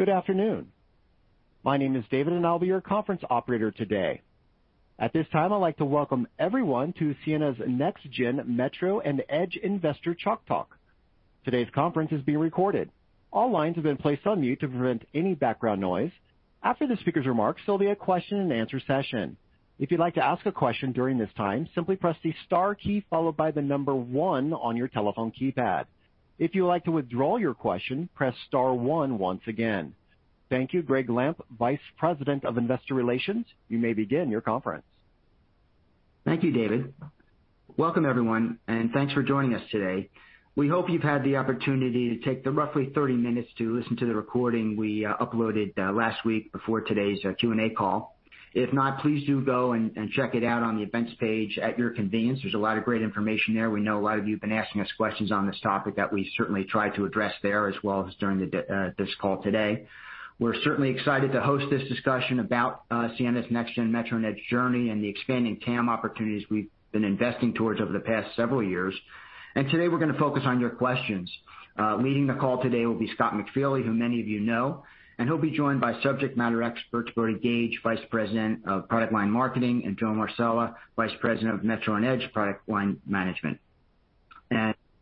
Good afternoon. My name is David, and I'll be your conference operator today. At this time, I'd like to welcome everyone to Ciena's Next Gen Metro and Edge Investor Chalk Talk. Today's conference is being recorded. All lines have been placed on mute to prevent any background noise. After the speaker's remarks, there'll be a question and answer session. If you'd like to ask a question during this time, simply press the star key followed by the number 1 on your telephone keypad. If you'd like to withdraw your question, press star 1 once again. Thank you. Gregg Lampf, Vice President of Investor Relations, you may begin your conference. Thank you, David. Welcome, everyone, and thanks for joining us today. We hope you've had the opportunity to take the roughly 30 minutes to listen to the recording we uploaded last week before today's Q&A call. If not, please do go and check it out on the events page at your convenience. There's a lot of great information there. We know a lot of you have been asking us questions on this topic that we certainly try to address there as well as during this call today. We're certainly excited to host this discussion about Ciena's Next Gen Metro and Edge journey and the expanding TAM opportunities we've been investing towards over the past several years. Today, we're gonna focus on your questions. Leading the call today will be Scott McFeely, who many of you know, and he'll be joined by subject matter experts, Brodie Gage, Vice President of Product Line Marketing, and Joe Marsella, Vice President of Metro and Edge Product Line Management.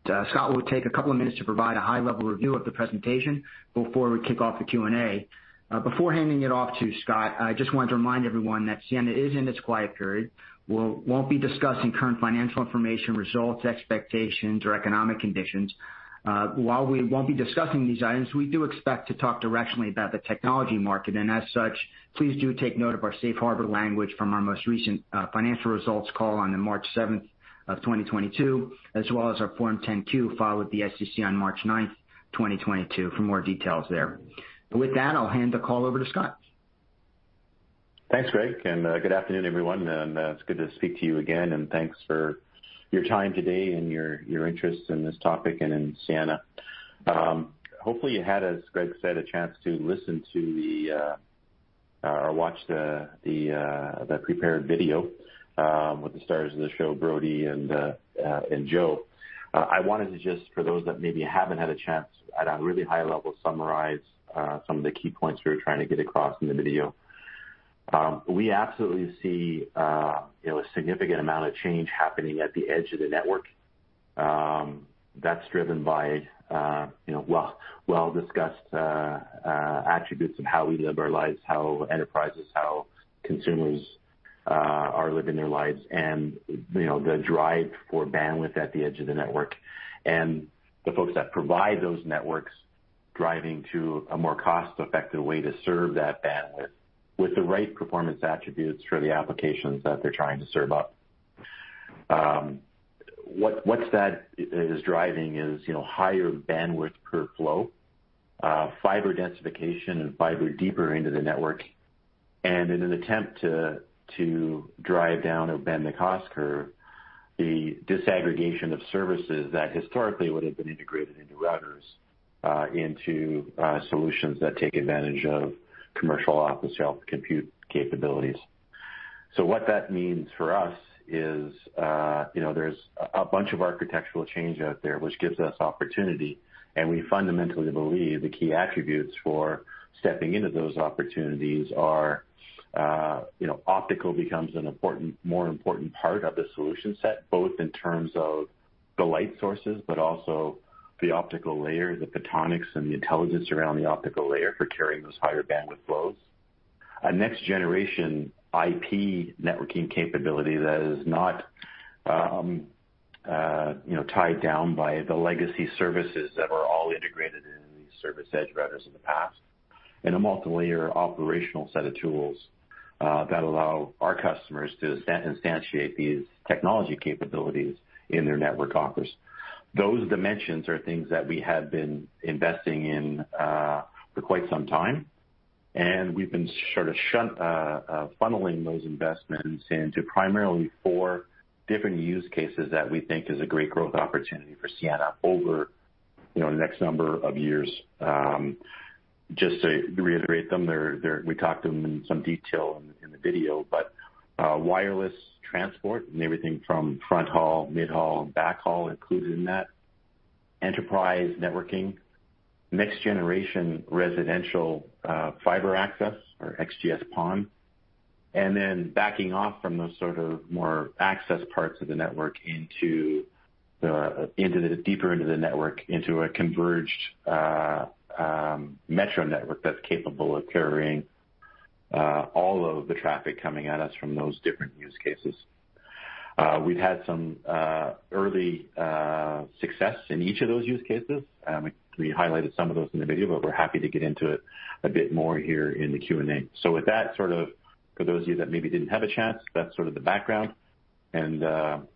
Scott will take a couple of minutes to provide a high-level review of the presentation before we kick off the Q&A. Before handing it off to Scott, I just wanted to remind everyone that Ciena is in its quiet period. We won't be discussing current financial information, results, expectations, or economic conditions. While we won't be discussing these items, we do expect to talk directionally about the technology market, and as such, please do take note of our safe harbor language from our most recent financial results call on March 7, 2022, as well as our Form 10-Q filed with the SEC on March 9, 2022 for more details there. With that, I'll hand the call over to Scott. Thanks, Greg, and good afternoon, everyone. It's good to speak to you again, and thanks for your time today and your interest in this topic and in Ciena. Hopefully you had, as Greg said, a chance to listen to or watch the prepared video with the stars of the show, Brodie and Joe. I wanted to just for those that maybe haven't had a chance at a really high level, summarize some of the key points we were trying to get across in the video. We absolutely see, you know, a significant amount of change happening at the edge of the network, that's driven by, you know, well-discussed attributes of how we live our lives, how enterprises, how consumers, are living their lives, and, you know, the drive for bandwidth at the edge of the network. The folks that provide those networks driving to a more cost-effective way to serve that bandwidth with the right performance attributes for the applications that they're trying to serve up. What's driving that is, you know, higher bandwidth per flow, fiber densification and fiber deeper into the network. In an attempt to drive down or bend the cost curve, the disaggregation of services that historically would have been integrated into routers into solutions that take advantage of commercial off-the-shelf compute capabilities. What that means for us is, you know, there's a bunch of architectural change out there which gives us opportunity, and we fundamentally believe the key attributes for stepping into those opportunities are, you know, optical becomes more important part of the solution set, both in terms of the light sources, but also the optical layer, the photonics, and the intelligence around the optical layer for carrying those higher bandwidth flows. A next generation IP networking capability that is not, you know, tied down by the legacy services that were all integrated in these service edge routers in the past. A multilayer operational set of tools that allow our customers to instantiate these technology capabilities in their networks. Those dimensions are things that we have been investing in for quite some time, and we've been sort of funneling those investments into primarily four different use cases that we think is a great growth opportunity for Ciena over, you know, the next number of years. Just to reiterate them, they're. We talked to them in some detail in the video, but wireless transport and everything from fronthaul, midhaul, and backhaul included in that. Enterprise networking. Next generation residential fiber access or XGS-PON. Backing off from those sort of more access parts of the network into deeper into the network, into a converged metro network that's capable of carrying all of the traffic coming at us from those different use cases. We've had some early success in each of those use cases. We highlighted some of those in the video, but we're happy to get into it a bit more here in the Q&A. With that, sort of for those of you that maybe didn't have a chance, that's sort of the background, and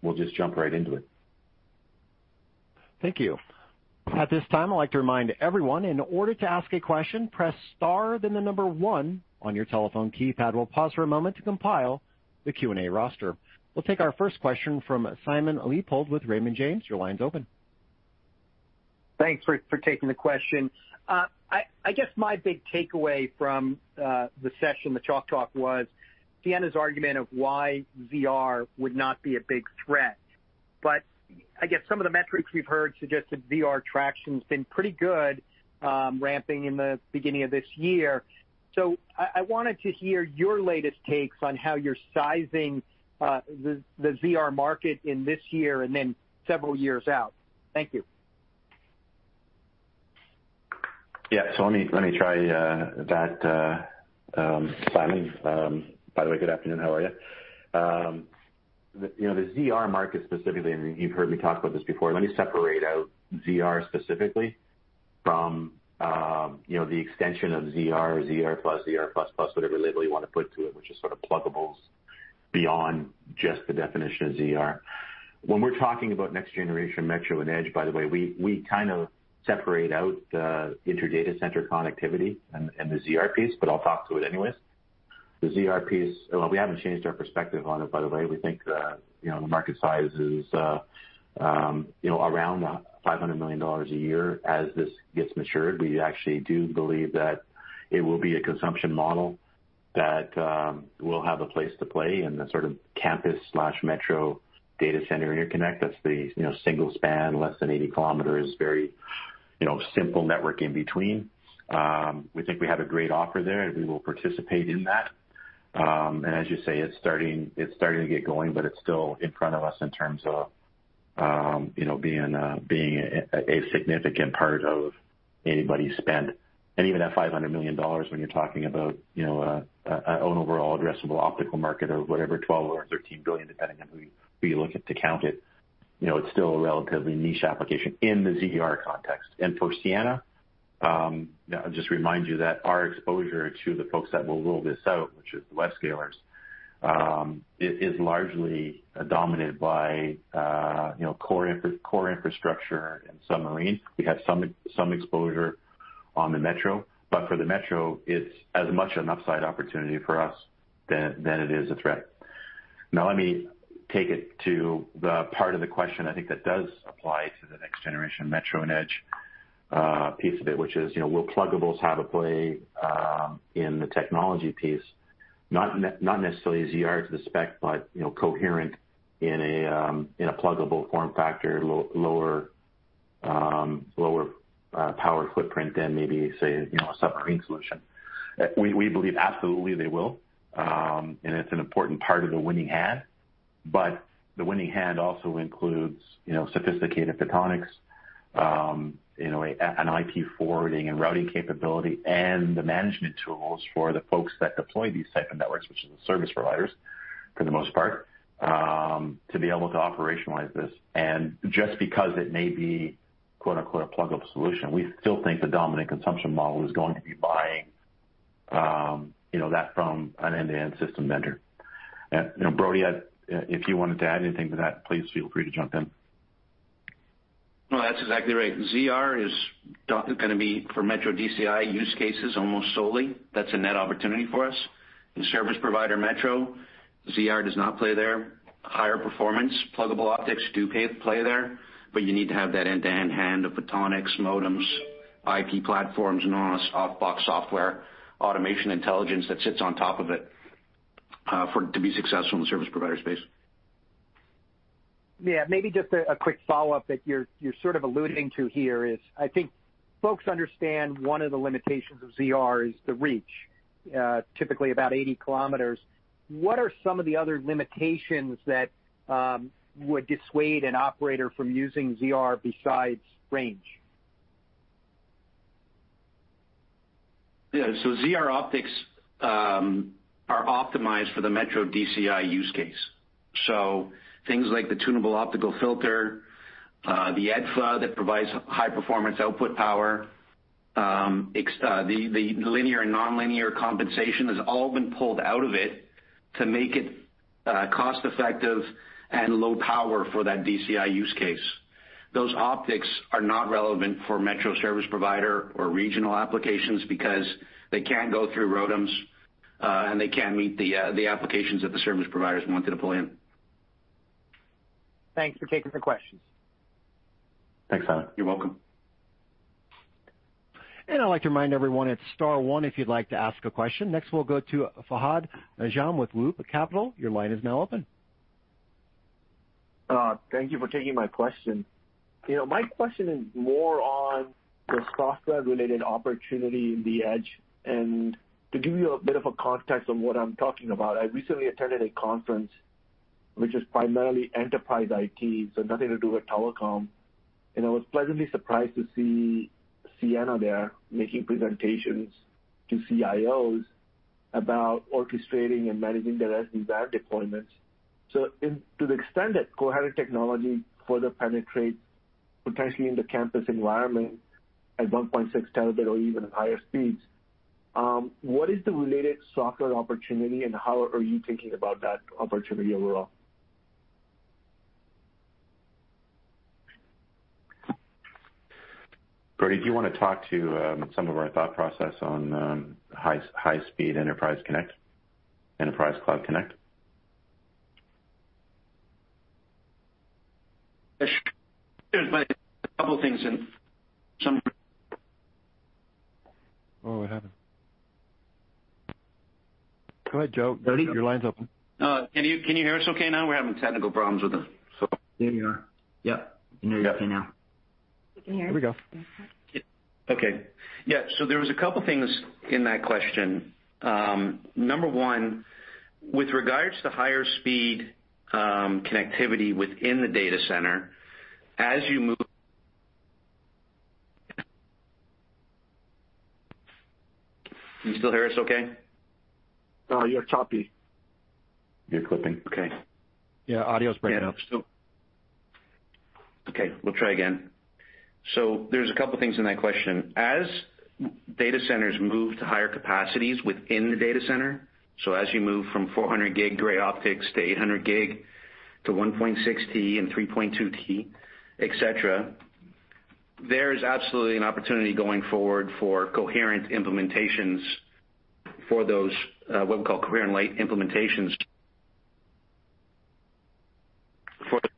we'll just jump right into it. Thank you. At this time, I'd like to remind everyone, in order to ask a question, press star, then the number 1 on your telephone keypad. We'll pause for a moment to compile the Q&A roster. We'll take our first question from Simon Leopold with Raymond James. Your line's open. Thanks for taking the question. I guess my big takeaway from the session, the chalk talk, was Ciena's argument of why ZR would not be a big threat. You know, I guess some of the metrics we've heard suggest that ZR traction's been pretty good, ramping in the beginning of this year. I wanted to hear your latest takes on how you're sizing the ZR market in this year and then several years out. Thank you. Yeah. Let me try that, Simon. By the way, good afternoon. How are you? The you know the ZR market specifically, and you've heard me talk about this before. Let me separate out ZR specifically from you know the extension of ZR+, ZR++, whatever label you wanna put to it, which is sort of pluggables beyond just the definition of ZR. When we're talking about next generation metro and edge, by the way, we kind of separate out the inter data center connectivity and the ZR piece, but I'll talk to it anyway. The ZR piece, well, we haven't changed our perspective on it, by the way. We think the you know the market size is you know around $500 million a year as this gets matured. We actually do believe that it will be a consumption model that will have a place to play in the sort of campus/metro data center interconnect. That's the, you know, single span, less than 80 km, very, you know, simple network in between. We think we have a great offer there, and we will participate in that. And as you say, it's starting to get going, but it's still in front of us in terms of, you know, being a significant part of anybody's spend. Even that $500 million when you're talking about, you know, a, an overall addressable optical market of whatever, $12 or $13 billion, depending on who you look at to count it, you know, it's still a relatively niche application in the ZR context. For Ciena, just remind you that our exposure to the folks that will roll this out, which is the web scalers, is largely dominated by, you know, core infrastructure and submarine. We have some exposure on the metro, but for the metro, it's as much an upside opportunity for us than it is a threat. Now let me take it to the part of the question I think that does apply to the next generation metro and edge piece of it, which is, you know, will pluggables have a play in the technology piece? Not necessarily ZR to the spec, but you know, coherent in a pluggable form factor, lower power footprint than maybe say, you know, a submarine solution. We believe absolutely they will. It's an important part of the winning hand. The winning hand also includes, you know, sophisticated photonics, you know, an IP forwarding and routing capability, and the management tools for the folks that deploy these type of networks, which is the service providers for the most part, to be able to operationalize this. Just because it may be quote-unquote, "a pluggable solution," we still think the dominant consumption model is going to be buying, you know, that from an end-to-end system vendor. You know, Brodie, I'd if you wanted to add anything to that, please feel free to jump in. No, that's exactly right. ZR is gonna be for metro DCI use cases almost solely. That's a net opportunity for us. In service provider metro, ZR does not play there. Higher performance pluggable optics play there, but you need to have that end-to-end handoff of photonics, modems, IP platforms, NOS, off-box software, automation intelligence that sits on top of it, for it to be successful in the service provider space. Yeah. Maybe just a quick follow-up that you're sort of alluding to here is I think folks understand one of the limitations of ZR is the reach, typically about 80 km. What are some of the other limitations that would dissuade an operator from using ZR besides range? Yeah. ZR optics are optimized for the metro DCI use case. Things like the tunable optical filter, the EDFA that provides high performance output power, the linear and nonlinear compensation has all been pulled out of it to make it cost effective and low power for that DCI use case. Those optics are not relevant for metro service provider or regional applications because they can't go through ROADM, and they can't meet the applications that the service providers want to deploy in. Thanks for taking the questions. Thanks, Simon. You're welcome. I'd like to remind everyone it's star one if you'd like to ask a question. Next, we'll go to Fahad Najam with Loop Capital. Your line is now open. Thank you for taking my question. You know, my question is more on the software-related opportunity in the edge. To give you a bit of a context on what I'm talking about, I recently attended a conference which is primarily enterprise IT, so nothing to do with telecom. I was pleasantly surprised to see Ciena there making presentations to CIOs about orchestrating and managing their SD-WAN deployments. To the extent that coherent technology further penetrates potentially in the campus environment at 1.6 terabit or even higher speeds, what is the related software opportunity, and how are you thinking about that opportunity overall? Brodie, do you wanna talk through some of our thought process on high-speed enterprise cloud connect? Sure. A couple things. Oh, what happened? Go ahead, Joe. Brodie, your line's open. Can you hear us okay now? We're having technical problems with the phone. There you are. Yep. Yeah. Can hear you okay now. We can hear you. Here we go. Okay. Yeah. There was a couple things in that question. Number one, with regards to higher speed connectivity within the data center, as you move. Can you still hear us okay? No, you're choppy. You're clipping. Okay. Yeah, audio's breaking up. Okay, we'll try again. There's a couple things in that question. As data centers move to higher capacities within the data center, so as you move from 400 gig gray optics to 800 gig to 1.6 T and 3.2 T, etc., there is absolutely an opportunity going forward for coherent implementations for those, what we call coherent light implementations. For Brodie, we're gonna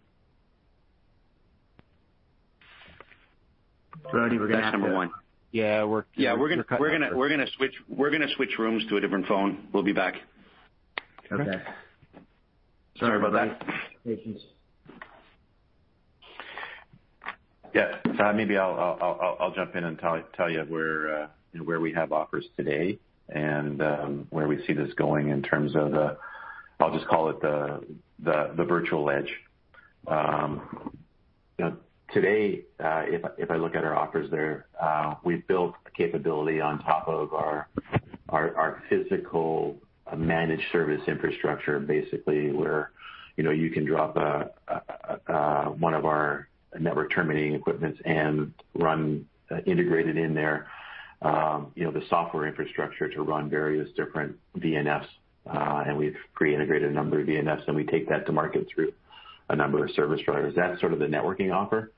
have to. That's number one. Yeah. Yeah, we're gonna switch rooms to a different phone. We'll be back. Okay. Sorry about that. Patience. Yeah. Maybe I'll jump in and tell you where we have offers today and where we see this going in terms of the. I'll just call it the virtual edge. Today, if I look at our offers there, we've built capability on top of our physical managed service infrastructure, basically, where you know you can drop a one of our network terminating equipments and run integrated in there you know the software infrastructure to run various different VNF, and we've pre-integrated a number of VNF, and we take that to market through a number of service providers. That's sort of the networking offer.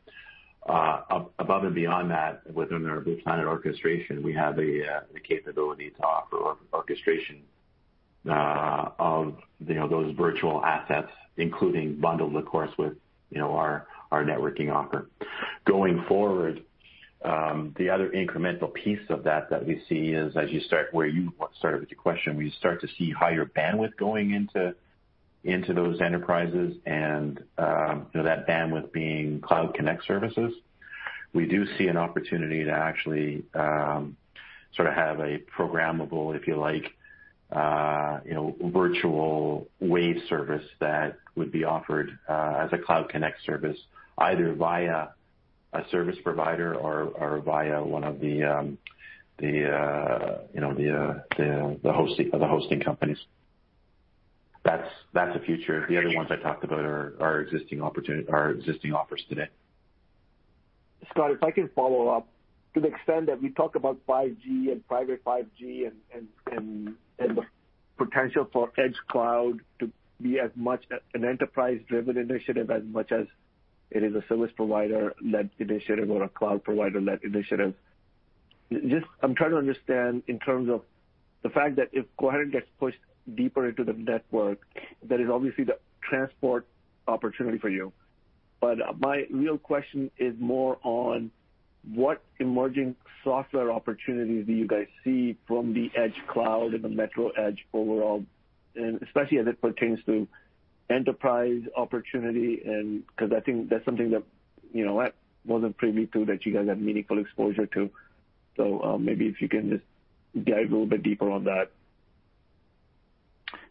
Above and beyond that, within our Blue Planet orchestration, we have the capability to offer orchestration of, you know, those virtual assets, including bundled, of course, with, you know, our networking offer. Going forward, the other incremental piece of that that we see is as you start where you started with your question, we start to see higher bandwidth going into those enterprises and, you know, that bandwidth being cloud connect services. We do see an opportunity to actually sort of have a programmable, if you like, you know, virtual wave service that would be offered as a cloud connect service, either via a service provider or via one of the hosting companies. That's the future. The other ones I talked about are existing offers today. Scott, if I can follow up. To the extent that we talk about 5G and private 5G and the potential for edge cloud to be as much an enterprise-driven initiative as much as it is a service provider-led initiative or a cloud provider-led initiative. Just I'm trying to understand in terms of the fact that if coherent gets pushed deeper into the network, that is obviously the transport opportunity for you. But my real question is more on what emerging software opportunities do you guys see from the edge cloud and the metro edge overall, and especially as it pertains to enterprise opportunity and 'cause I think that's something that, you know, I wasn't privy to that you guys have meaningful exposure to. Maybe if you can just dive a little bit deeper on that.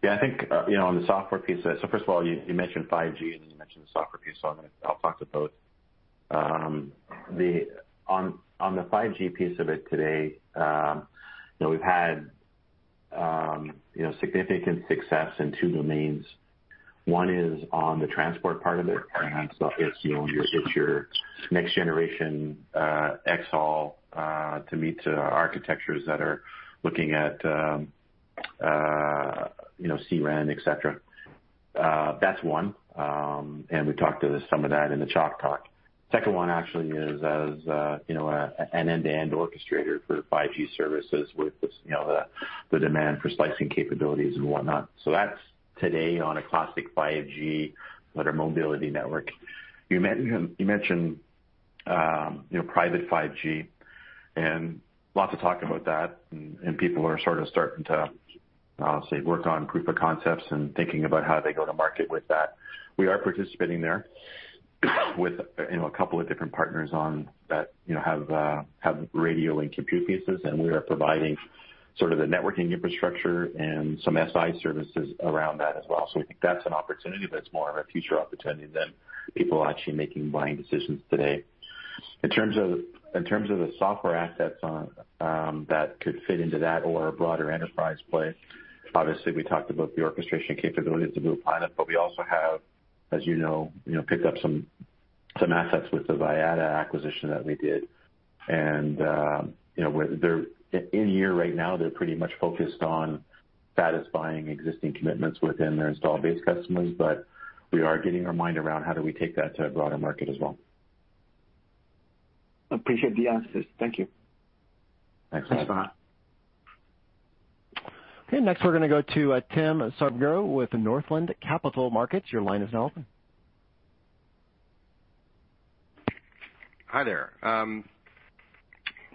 Yeah, I think you know on the software piece, so first of all, you mentioned 5G and you mentioned the software piece, so I'll talk to both. On the 5G piece of it today, you know, we've had you know significant success in two domains. One is on the transport part of it. If you look at your next generation xHaul to meet architectures that are looking at you know C-RAN, et cetera, that's one. We talked to some of that in the Chalk Talk. Second one actually is as you know an end-to-end orchestrator for 5G services with the demand for slicing capabilities and whatnot. That's today on a classic 5G/LTE mobility network. You mentioned, you know, private 5G and lots of talk about that, and people are sort of starting to, I'll say, work on proof of concepts and thinking about how they go to market with that. We are participating there with, you know, a couple of different partners on that, you know, have radio link compute pieces, and we are providing sort of the networking infrastructure and some SI services around that as well. We think that's an opportunity, but it's more of a future opportunity than people actually making buying decisions today. In terms of the software assets that could fit into that or a broader enterprise play, obviously, we talked about the orchestration capabilities of Blue Planet, but we also have, as you know, picked up some assets with the Vyatta acquisition that we did. You know, they're in here right now. They're pretty much focused on satisfying existing commitments within their installed base customers, but we are getting our mind around how do we take that to a broader market as well. Appreciate the answers. Thank you. Thanks. Thanks, Scott. Okay. Next, we're gonna go to, Timothy Savageaux with Northland Capital Markets. Your line is now open. Hi there.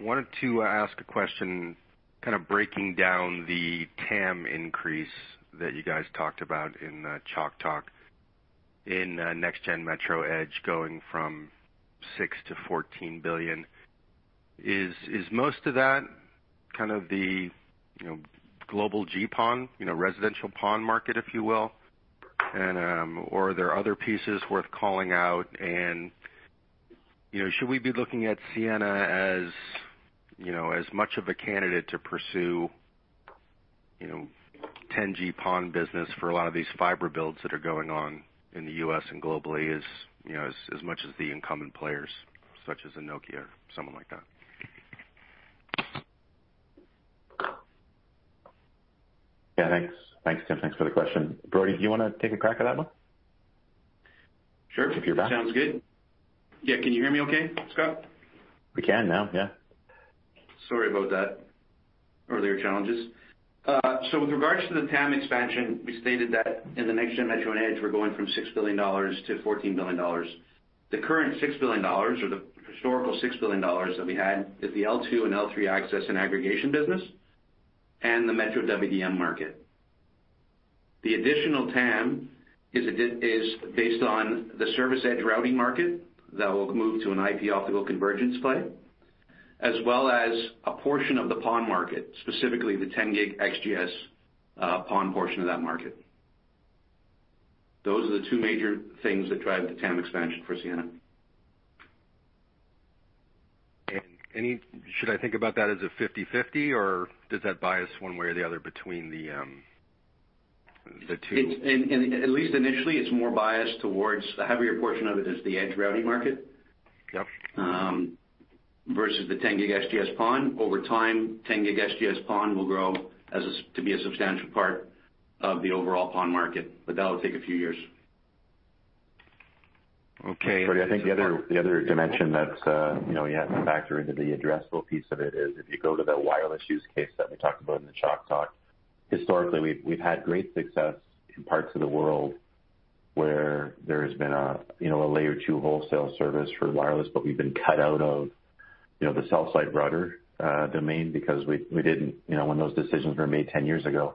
Wanted to ask a question kind of breaking down the TAM increase that you guys talked about in the Chalk Talk in next-gen metro edge going from $6 billion-$14 billion. Is most of that kind of the, you know, global GPON, you know, residential PON market, if you will? Or are there other pieces worth calling out? You know, should we be looking at Ciena as, you know, as much of a candidate to pursue, you know, 10G PON business for a lot of these fiber builds that are going on in the U.S. and globally as, you know, as much as the incumbent players such as Nokia, someone like that? Yeah. Thanks. Thanks, Tim. Thanks for the question. Brodie, do you want to take a crack at that one? Sure. If you're back. Sounds good. Yeah. Can you hear me okay, Scott? We can now, yeah. Sorry about that. Earlier challenges. With regards to the TAM expansion, we stated that in the next gen metro and edge, we're going from $6 billion to $14 billion. The current $6 billion or the historical $6 billion that we had is the L2 and L3 access and aggregation business and the metro WDM market. The additional TAM is based on the service edge routing market that will move to an IP optical convergence play, as well as a portion of the PON market, specifically the 10G XGS-PON portion of that market. Those are the two major things that drive the TAM expansion for Ciena. Should I think about that as a 50/50, or does that bias one way or the other between the two? At least initially, it's more biased towards the heavier portion of it is the edge routing market. Yep. Versus the 10G XGS-PON. Over time, 10G XGS-PON will grow to be a substantial part of the overall PON market, but that'll take a few years. Okay. Brodie, I think the other dimension that, you know, you have to factor into the addressable piece of it is if you go to the wireless use case that we talked about in the Chalk Talk, historically, we've had great success in parts of the world where there has been a, you know, a layer two wholesale service for wireless, but we've been cut out of, you know, the cell site router domain because we didn't, you know, when those decisions were made 10 years ago,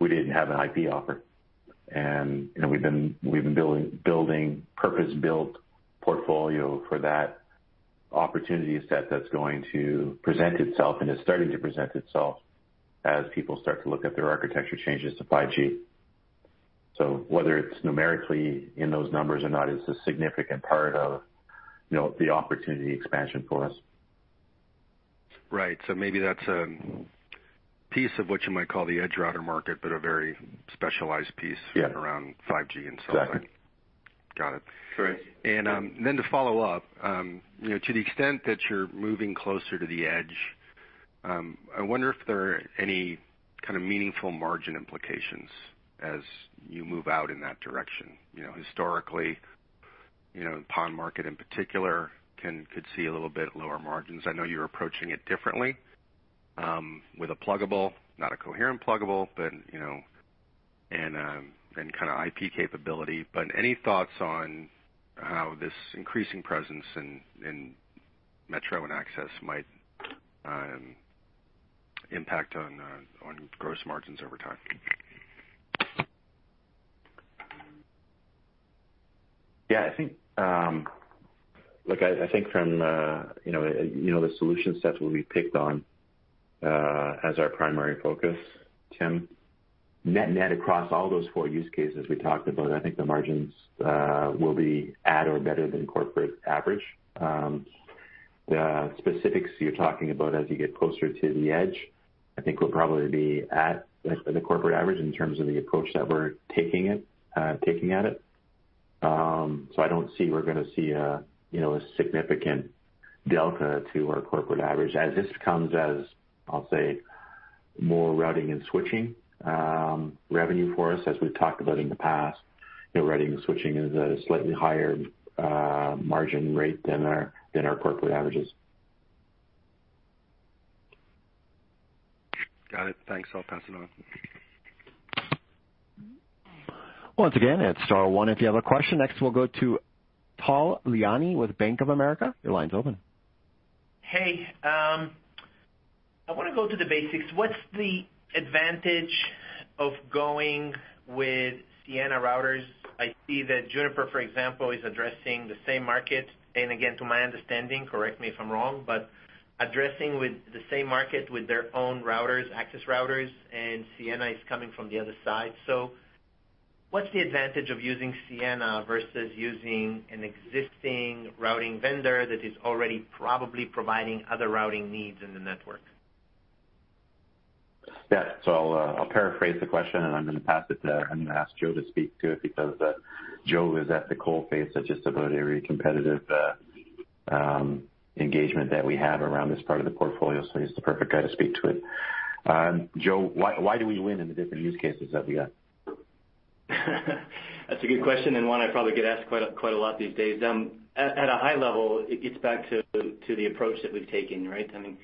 we didn't have an IP offer. You know, we've been building purpose-built portfolio for that opportunity set that's going to present itself, and it's starting to present itself as people start to look at their architecture changes to 5G. Whether it's numerically in those numbers or not is a significant part of, you know, the opportunity expansion for us. Right. Maybe that's a piece of what you might call the edge router market, but a very specialized piece. Yeah. around 5G and cell site. Exactly. Got it. Correct. To follow up, you know, to the extent that you're moving closer to the edge, I wonder if there are any kind of meaningful margin implications as you move out in that direction. You know, historically, you know, the PON market, in particular, could see a little bit lower margins. I know you're approaching it differently, with a pluggable, not a coherent pluggable, but, you know, and kinda IP capability. Any thoughts on how this increasing presence in metro and access might impact on gross margins over time? Yeah, I think, look, I think from you know, the solution sets will be picked on as our primary focus, Tim. Net, net across all those four use cases we talked about, I think the margins will be at or better than corporate average. The specifics you're talking about as you get closer to the edge, I think will probably be at the corporate average in terms of the approach that we're taking at it. I don't see we're gonna see a you know, a significant delta to our corporate average. As this comes, I'll say, more routing and switching revenue for us, as we've talked about in the past, you know, routing and switching is a slightly higher margin rate than our corporate averages. Got it. Thanks. I'll pass it on. Once again, it's star 1 if you have a question. Next, we'll go to Tal Liani with Bank of America. Your line's open. Hey, I wanna go to the basics. What's the advantage of going with Ciena routers? I see that Juniper, for example, is addressing the same market. Again, to my understanding, correct me if I'm wrong, but addressing the same market with their own routers, access routers, and Ciena is coming from the other side. What's the advantage of using Ciena versus using an existing routing vendor that is already probably providing other routing needs in the network? Yeah. I'll paraphrase the question, and I'm gonna ask Joe to speak to it because Joe is at the coal face of just about every competitive engagement that we have around this part of the portfolio. He's the perfect guy to speak to it. Joe, why do we win in the different use cases that we got? That's a good question, and one I probably get asked quite a lot these days. At a high level, it gets back to the approach that we've taken, right? I mean,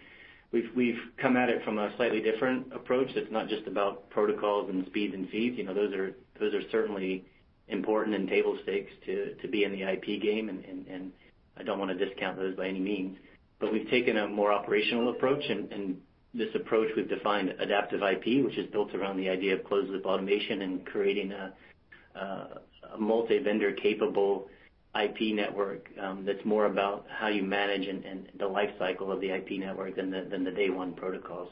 we've come at it from a slightly different approach. It's not just about protocols and speeds and feeds. You know, those are certainly important and table stakes to be in the IP game, and I don't wanna discount those by any means. We've taken a more operational approach, and this approach we've defined Adaptive IP, which is built around the idea of closed-loop automation and creating a multi-vendor capable IP network, that's more about how you manage and the life cycle of the IP network than the day one protocol.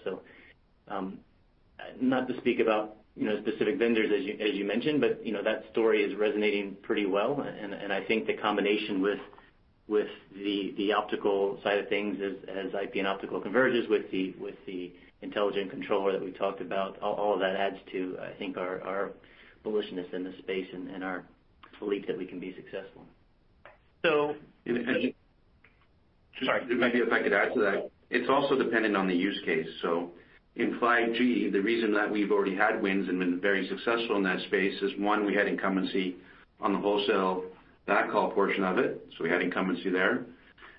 not to speak about, you know, specific vendors as you mentioned, but you know, that story is resonating pretty well. I think the combination with the optical side of things as IP and optical converges with the intelligent controller that we talked about, all of that adds to, I think our bullishness in this space and our belief that we can be successful. So- And- Sorry. Maybe if I could add to that. It's also dependent on the use case. In 5G, the reason that we've already had wins and been very successful in that space is, one, we had incumbency on the wholesale backhaul portion of it, so we had incumbency there.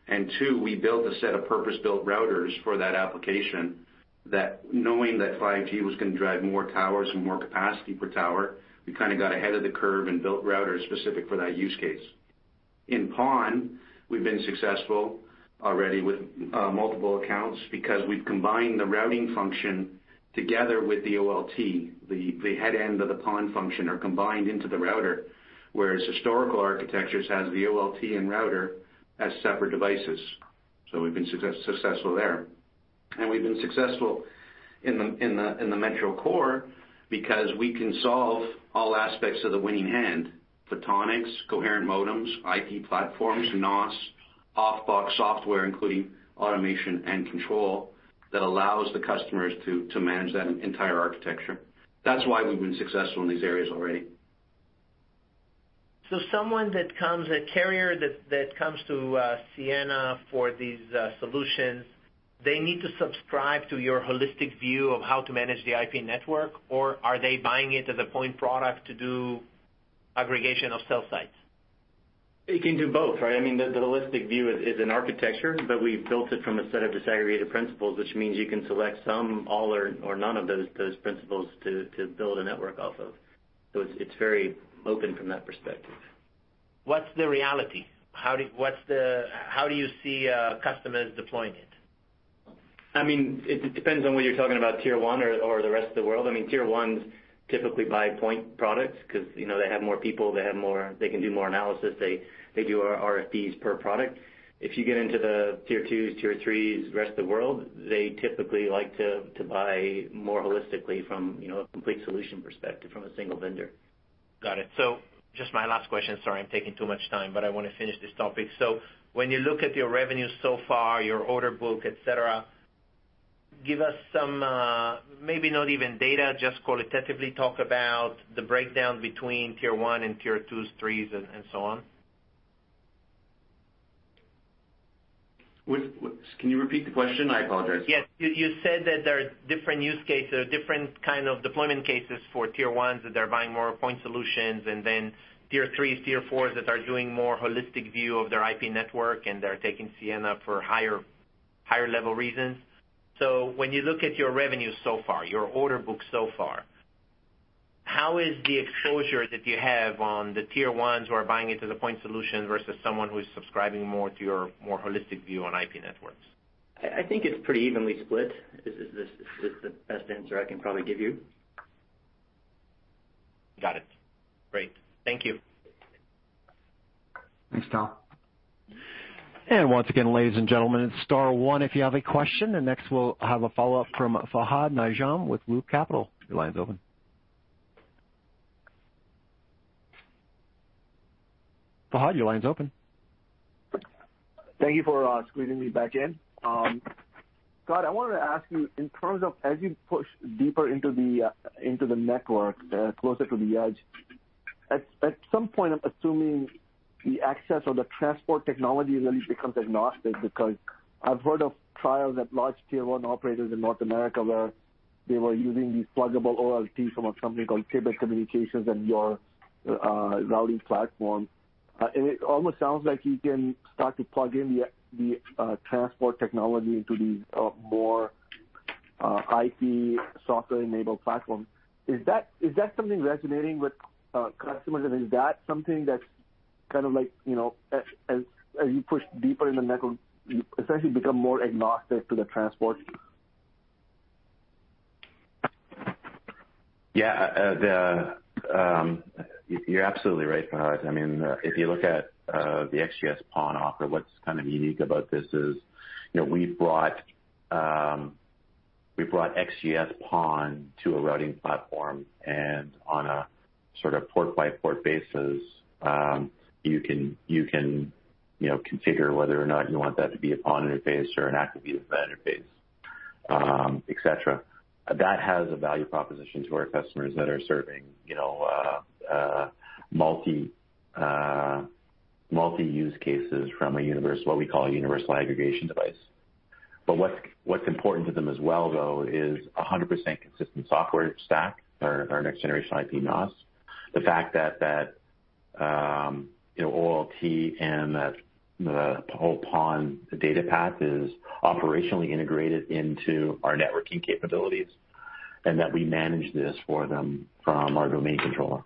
And two, we built a set of purpose-built routers for that application that knowing that 5G was gonna drive more towers and more capacity per tower, we kinda got ahead of the curve and built routers specific for that use case. In PON, we've been successful already with multiple accounts because we've combined the routing function together with the OLT. The headend of the PON function are combined into the router, whereas historical architectures has the OLT and router as separate devices. We've been successful there. We've been successful in the metro core because we can solve all aspects of the winning hand, photonics, coherent modems, IP platforms, NOS, off-box software, including automation and control that allows the customers to manage that entire architecture. That's why we've been successful in these areas already. A carrier that comes to Ciena for these solutions, they need to subscribe to your holistic view of how to manage the IP network, or are they buying it as a point product to do aggregation of cell sites? It can do both, right? I mean, the holistic view is an architecture, but we've built it from a set of disaggregated principles, which means you can select some, all, or none of those principles to build a network off of. So it's very open from that perspective. What's the reality? How do you see customers deploying it? I mean, it depends on whether you're talking about tier one or the rest of the world. I mean, tier ones typically buy point products 'cause, you know, they have more people, they have more, they can do more analysis. They do RFPs per product. If you get into the tier twos, tier threes, rest of the world, they typically like to buy more holistically from, you know, a complete solution perspective from a single vendor. Got it. Just my last question. Sorry, I'm taking too much time, but I wanna finish this topic. When you look at your revenue so far, your order book, et cetera, give us some, maybe not even data, just qualitatively talk about the breakdown between tier one and tier twos, threes, and so on. Can you repeat the question? I apologize. Yes. You said that there are different use cases, different kind of deployment cases for tier 1, that they're buying more point solutions, and then tier 3, tier 4 that are doing more holistic view of their IP network, and they're taking Ciena for higher level reasons. When you look at your revenue so far, your order book so far, how is the exposure that you have on the tier ones who are buying it as a point solution versus someone who's subscribing more to your more holistic view on IP networks? I think it's pretty evenly split, is the best answer I can probably give you. Got it. Great. Thank you. Thanks, Tal Liani. Once again, ladies and gentlemen, it's star one if you have a question. Next, we'll have a follow-up from Fahad Najam with Loop Capital. Your line's open. Fahad, your line's open. Thank you for squeezing me back in. Scott, I wanted to ask you, in terms of as you push deeper into the network, closer to the edge, at some point, I'm assuming the access or the transport technology really becomes agnostic. Because I've heard of trials at large tier one operators in North America, where they were using these pluggable OLTs from a company called Tibit Communications and your routing platform. It almost sounds like you can start to plug in the transport technology into these more IP software-enabled platform. Is that something resonating with customers? Is that something that's kind of like, you know, as you push deeper in the network, you essentially become more agnostic to the transport? You're absolutely right, Fahad. I mean, if you look at the XGS-PON offer, what's kind of unique about this is, you know, we've brought XGS-PON to a routing platform. On a sort of port-by-port basis, you can, you know, configure whether or not you want that to be a PON interface or activate that interface, etc. That has a value proposition to our customers that are serving, you know, multi-use cases from a universal, what we call a universal aggregation device. What's important to them as well, though, is 100% consistent software stack, our next generation IP NOS. The fact that OLT and the whole PON data path is operationally integrated into our networking capabilities and that we manage this for them from our domain controller.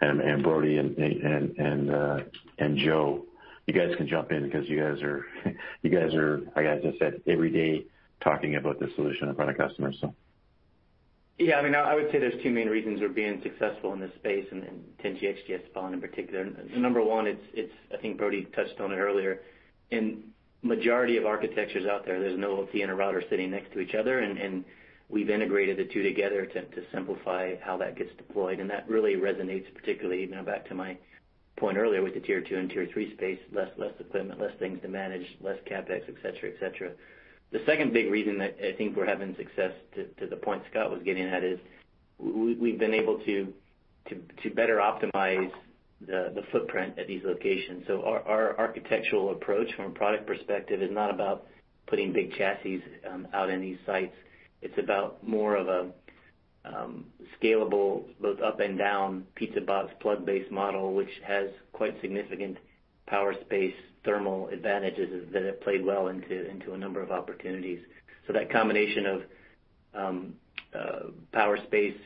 Brodie and Joe, you guys can jump in because you guys are, I guess, as I said, every day talking about the solution in front of customers, so. Yeah. I mean, I would say there are two main reasons we're being successful in this space and in 10G XGS-PON in particular. Number 1, it's I think Brodie touched on it earlier. In majority of architectures out there's an OLT and a router sitting next to each other, and we've integrated the two together to simplify how that gets deployed. That really resonates, particularly, you know, back to my point earlier with the tier 2 and tier 3 space, less equipment, less things to manage, less CapEx, et cetera. The second big reason that I think we're having success, to the point Scott was getting at, is we've been able to better optimize the footprint at these locations. Our architectural approach from a product perspective is not about putting big chassis out in these sites. It's about more of scalable, both up and down pizza box plug-based model, which has quite significant power space thermal advantages that have played well into a number of opportunities. That combination of power space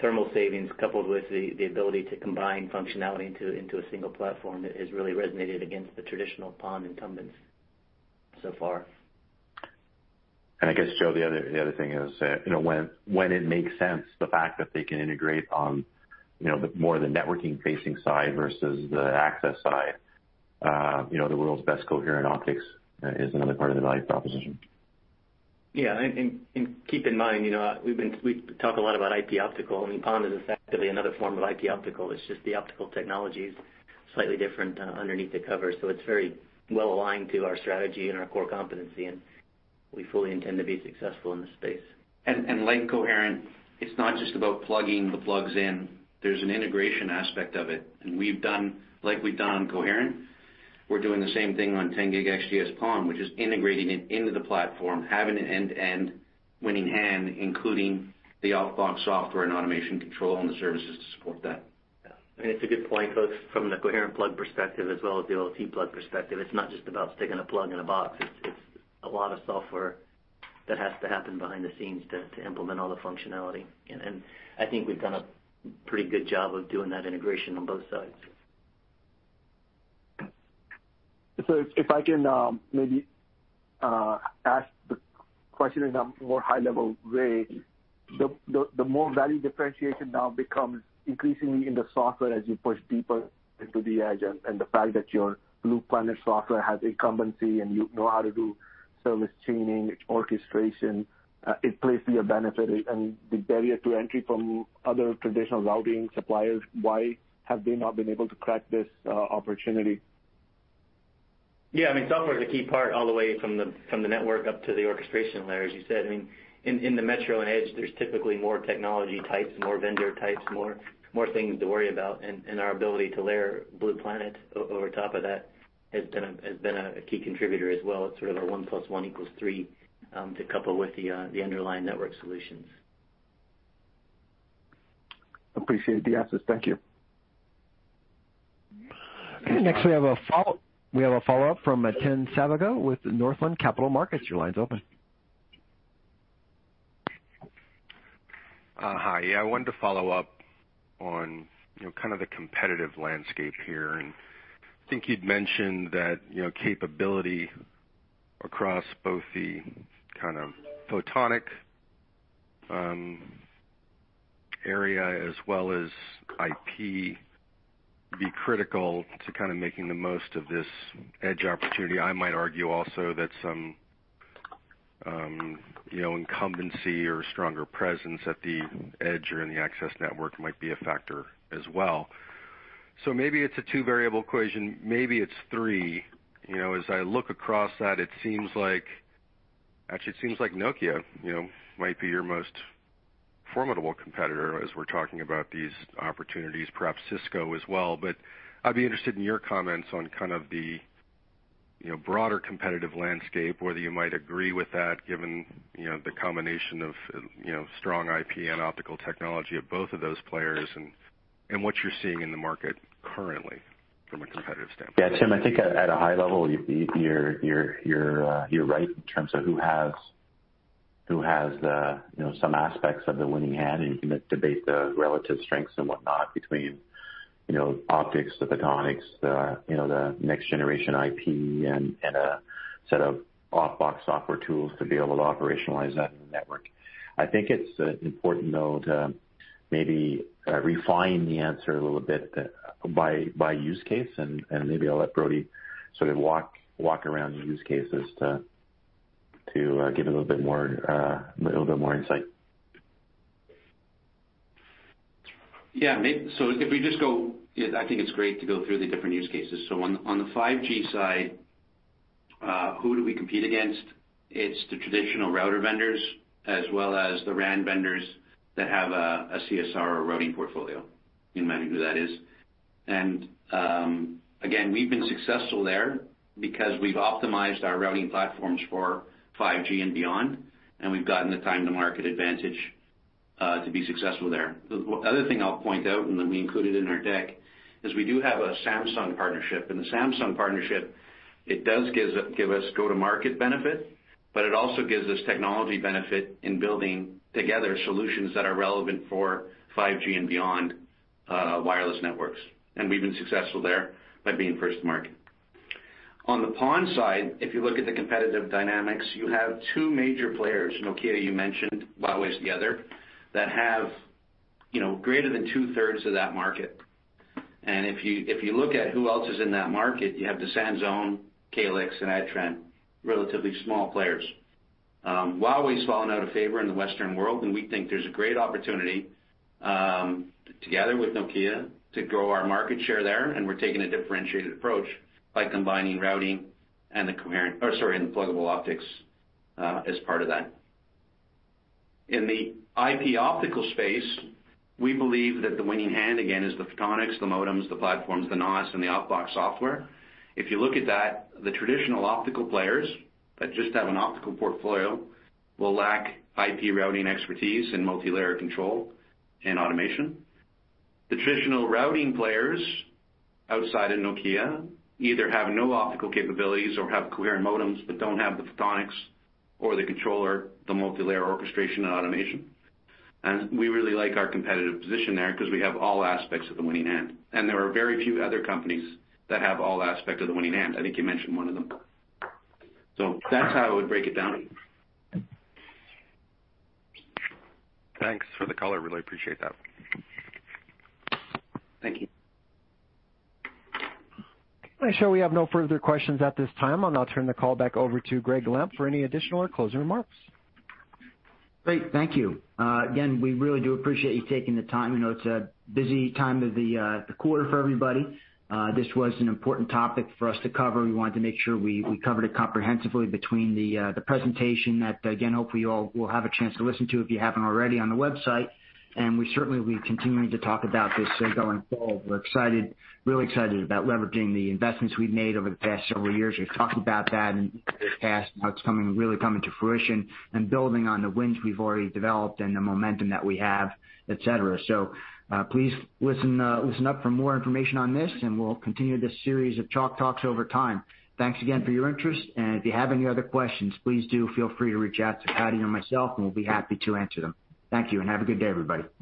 thermal savings coupled with the ability to combine functionality into a single platform has really resonated against the traditional PON incumbents so far. I guess, Joe, the other thing is that, you know, when it makes sense, the fact that they can integrate on, you know, the more the networking facing side versus the access side, you know, the world's best coherent optics, is another part of the value proposition. Yeah. Keep in mind, you know, we talk a lot about IP optical. I mean, PON is effectively another form of IP optical. It's just the optical technology is slightly different underneath the cover. It's very well aligned to our strategy and our core competency, and we fully intend to be successful in this space. Like coherent, it's not just about plugging the plugs in. There's an integration aspect of it. Like we've done on coherent, we're doing the same thing on 10G XGS-PON, which is integrating it into the platform, having an end-to-end winning hand, including the out-of-box software and automation control and the services to support that. Yeah. I mean, it's a good point, both from the coherent plug perspective as well as the OLT plug perspective. It's not just about sticking a plug in a box. It's a lot of software that has to happen behind the scenes to implement all the functionality. I think we've done a pretty good job of doing that integration on both sides. If I can, maybe, ask the question in a more high-level way. The more value differentiation now becomes increasingly in the software as you push deeper into the edge and the fact that your Blue Planet software has incumbency and you know how to do service chaining, orchestration, it plays to your benefit and the barrier to entry from other traditional routing suppliers, why have they not been able to crack this, opportunity? Yeah, I mean, software is a key part all the way from the network up to the orchestration layer, as you said. I mean, in the metro and edge, there's typically more technology types, more vendor types, more things to worry about. Our ability to layer Blue Planet over top of that has been a key contributor as well. It's sort of our one plus one equals three to couple with the underlying network solutions. Appreciate the answers. Thank you. Next, we have a follow-up from Tim Savageaux with Northland Capital Markets. Your line is open. Hi. Yeah, I wanted to follow up on, you know, kind of the competitive landscape here. I think you'd mentioned that, you know, capability across both the kind of photonic area as well as IP be critical to kind of making the most of this edge opportunity. I might argue also that some, you know, incumbency or stronger presence at the edge or in the access network might be a factor as well. Maybe it's a two-variable equation, maybe it's three. You know, as I look across that, actually, it seems like Nokia, you know, might be your most formidable competitor as we're talking about these opportunities, perhaps Cisco as well. I'd be interested in your comments on kind of the, you know, broader competitive landscape, whether you might agree with that given, you know, the combination of, you know, strong IP and optical technology of both of those players and what you're seeing in the market currently from a competitive standpoint. Yeah. Tim, I think at a high level, you're right in terms of who has the, you know, some aspects of the winning hand. You can debate the relative strengths and whatnot between, you know, optics, the photonics, you know, the next generation IP and a set of off-box software tools to be able to operationalize that new network. I think it's important though to maybe refine the answer a little bit by use case, and maybe I'll let Brodie sort of walk around the use cases to give a little bit more insight. Yeah. If we just go, I think it's great to go through the different use cases. On the 5G side, who do we compete against? It's the traditional router vendors as well as the RAN vendors that have a CSR or routing portfolio. You might know who that is. Again, we've been successful there because we've optimized our routing platforms for 5G and beyond, and we've gotten the time-to-market advantage to be successful there. The other thing I'll point out, and then we include it in our deck, is we do have a Samsung partnership. The Samsung partnership, it does give us go-to-market benefit, but it also gives us technology benefit in building together solutions that are relevant for 5G and beyond, wireless networks. We've been successful there by being first to market. On the PON side, if you look at the competitive dynamics, you have two major players, Nokia, you mentioned, Huawei's the other, that have, you know, greater than two-thirds of that market. If you look at who else is in that market, you have DZS, Calix, and ADTRAN, relatively small players. Huawei's fallen out of favor in the Western world, and we think there's a great opportunity, together with Nokia to grow our market share there, and we're taking a differentiated approach by combining routing and the pluggable optics as part of that. In the IP optical space, we believe that the winning hand, again, is the photonics, the modems, the platforms, the NOS, and the Blue Planet software. If you look at that, the traditional optical players that just have an optical portfolio will lack IP routing expertise and multi-layer control and automation. The traditional routing players outside of Nokia either have no optical capabilities or have coherent modems but don't have the photonics or the controller, the multi-layer orchestration and automation. We really like our competitive position there 'cause we have all aspects of the winning hand. There are very few other companies that have all aspect of the winning hand. I think you mentioned one of them. That's how I would break it down. Thanks for the color. Really appreciate that. Thank you. I show we have no further questions at this time. I'll now turn the call back over to Gregg Lampf for any additional or closing remarks. Great. Thank you. Again, we really do appreciate you taking the time. You know, it's a busy time of the quarter for everybody. This was an important topic for us to cover. We wanted to make sure we covered it comprehensively between the presentation that, again, hopefully you all will have a chance to listen to if you haven't already on the website. We certainly will be continuing to talk about this going forward. We're excited, really excited about leveraging the investments we've made over the past several years. We've talked about that in the past, how it's coming, really coming to fruition and building on the wins we've already developed and the momentum that we have, et cetera. Please listen up for more information on this, and we'll continue this series of Chalk Talks over time. Thanks again for your interest. If you have any other questions, please do feel free to reach out to Patty or myself, and we'll be happy to answer them. Thank you, and have a good day, everybody.